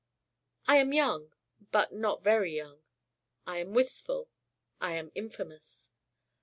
I am young, but not very young. I am wistful I am infamous.